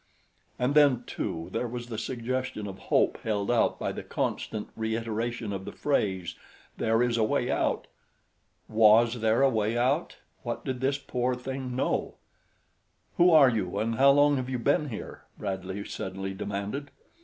And then, too, there was the suggestion of hope held out by the constant reiteration of the phrase, "There is a way out." Was there a way out? What did this poor thing know? "Who are you and how long have you been here?" Bradley suddenly demanded.